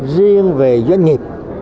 riêng về doanh nghiệp